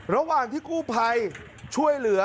ระหว่างที่กู้ภัยช่วยเหลือ